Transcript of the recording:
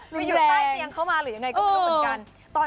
อยู่ใต้เตียงเข้ามาหรือยังไงก็ไม่รู้เหมือนกัน